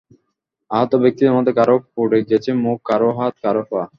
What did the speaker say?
আহত ব্যক্তিদের মধ্যে কারও পুড়ে গেছে মুখ, কারও হাত, কারও পা।